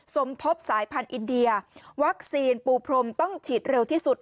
สมทบสายพันธุ์อินเดียวัคซีนปูพรมต้องฉีดเร็วที่สุด